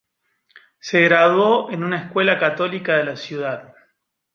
Se graduó en una escuela católica de la ciudad.